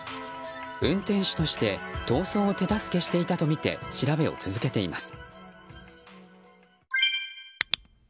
運転手として逃走を手助けしていたとみて調べを続けています。